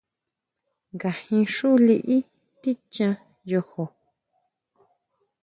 ¿Ngajin xú liʼí tichjan yojó?